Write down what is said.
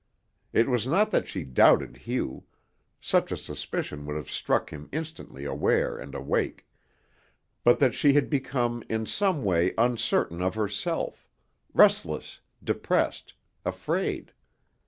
It was not that she doubted Hugh such a suspicion would have struck him instantly aware and awake but that she had become in some way uncertain of herself, restless, depressed, afraid.